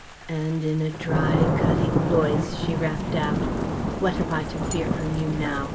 And, in a dry, cutting voice, she rapped out: "What have I to fear from you now?